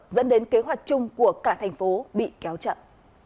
dẫn đến kế hoạch chung của cả thành phố bị kéo chậm